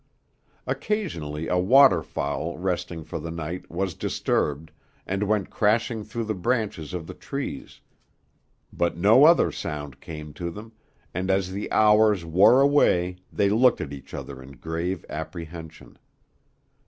Occasionally a waterfowl resting for the night was disturbed, and went crashing through the branches of the trees, but no other sound came to them, and as the hours wore away they looked at each other in grave apprehension.